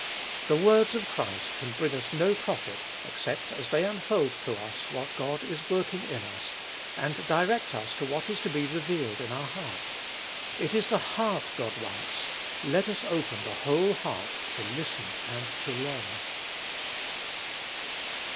The words of Christ can bring us no profit, except as they unfold to us what God is working in us, and direct us to what is to be revealed in our heart. It is the heart God wants ; let us open the whole heart to listen and to long.